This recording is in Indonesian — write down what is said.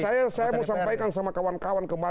saya mau sampaikan sama kawan kawan kemarin